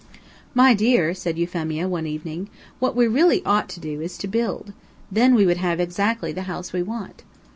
"My dear," said Euphemia, one evening, "what we really ought to do is to build. Then we would have exactly the house we want."